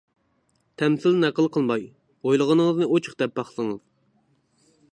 تەمسىل نەقىل قىلماي، ئويلىغىنىڭىزنى ئوچۇق دەپ باقسىڭىز!